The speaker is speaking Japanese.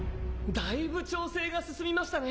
だいぶ調整が進みましたね！